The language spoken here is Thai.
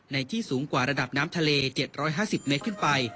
ที่สูงกว่าระดับน้ำทะเล๗๕๐เมตรขึ้นไป